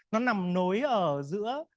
nó nằm nối ở giữa